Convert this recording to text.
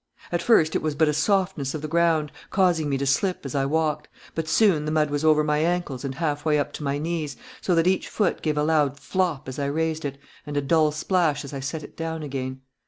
At first it was but a softness of the ground, causing me to slip as I walked, but soon the mud was over my ankles and half way up to my knees, so that each foot gave a loud flop as I raised it, and a dull splash as I set it down again.